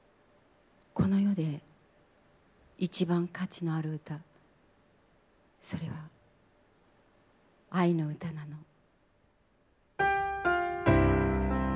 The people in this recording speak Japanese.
この世で一番価値のある歌それは愛の歌なの。